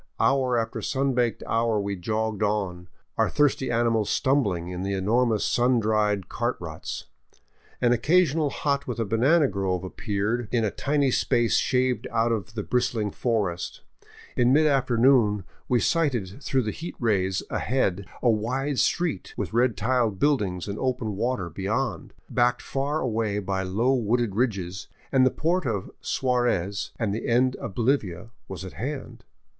Hour after sun baked hour we jogged on, our thirsty animals stumbling in the enormous sun dried cart ruts. An occasional hut with a banana grove appeared in a tiny space shaved out of the bristling forest. In mid afternoon we sighted through the heat rays ahead a wide street, with red tiled buildings and open water beyond, backed far away by low wooded ridges, and the Port of Suarez and the end of Bolivia was at hand.